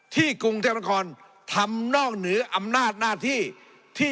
ที่กรุงเทพมนตร์คอร์นทำนอกเหนืออำนาจหน้าที่